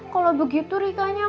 kalau begitu rikanya